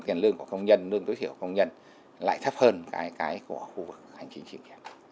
điều chỉnh của công nhân lương tối thiểu của công nhân lại thấp hơn cái của khu vực hành trình triển dạng